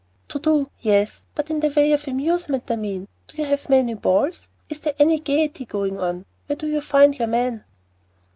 "To do, yes; but in the way of amusement, I mean. Do you have many balls? Is there any gayety going on? Where do you find your men?"